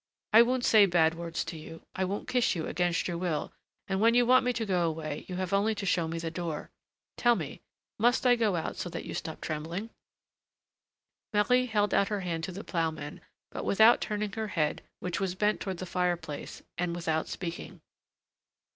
I won't say bad words to you, I won't kiss you against your will, and when you want me to go away, you have only to show me the door. Tell me, must I go out so that you can stop trembling?" Marie held out her hand to the ploughman, but without turning her head, which was bent toward the fire place, and without speaking.